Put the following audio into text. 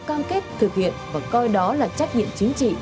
đều có cam kết thực hiện và coi đó là trách nhiệm chính trị